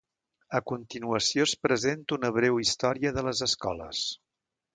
A continuació es presenta una breu història de les escoles.